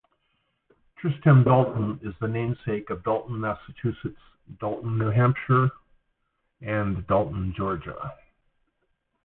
Tristram Dalton is the namesake of Dalton, Massachusetts, Dalton, New Hampshire and Dalton, Georgia.